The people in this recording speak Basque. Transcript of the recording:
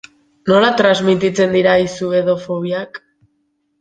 Nola transmititzen dira izu edo fobiak?